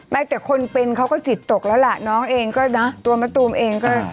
แต่คนเป็นเขาก็จิตตกเล่าล่ะน้องเองตัวน่ะตัวมะตูมเอง